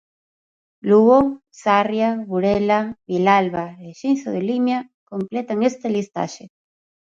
Lugo, Sarria, Burela, Vilalba e Xinzo de Limia completan esta listaxe.